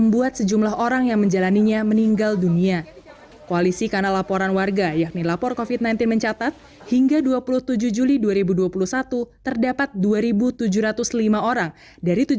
biasanya saya sih dibantuin sama suami untuk disuntikin gitu